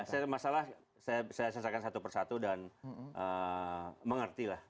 saya masalah saya selesaikan satu persatu dan mengerti lah